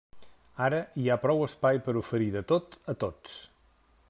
Ara, hi ha prou espai per a oferir de tot, a tots.